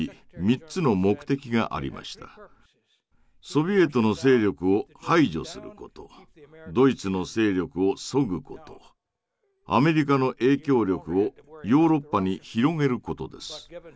ソビエトの勢力を排除することドイツの勢力をそぐことアメリカの影響力をヨーロッパに広げることです。